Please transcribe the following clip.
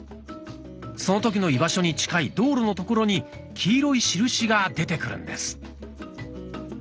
その時の居場所に近い道路の所に黄色い印が出てくるんです。